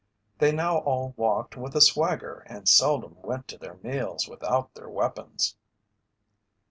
They now all walked with a swagger and seldom went to their meals without their weapons.